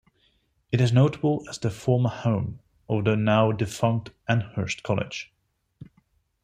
It is notable as the former home of the now-defunct Annhurst College.